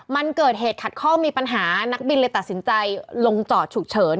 มันเกิดเหตุขัดข้องมีปัญหานักบินเลยตัดสินใจลงจอดฉุกเฉิน